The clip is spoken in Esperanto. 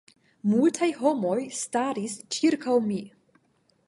Multaj homoj staris ĉirkaŭ mi.